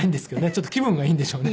ちょっと気分がいいんでしょうね。